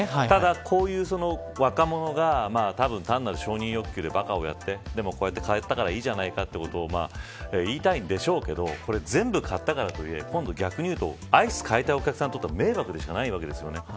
若者が単なる承認欲求でばかをやってでも買ったからいいじゃないかということを言いたいんでしょうけどこれ全部買ったからとはいえ今度アイス買いたいお客さんにとっても迷惑しかないわけですよね。